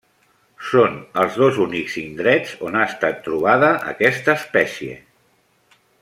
Són els dos únics indrets on ha estat trobada aquesta espècie.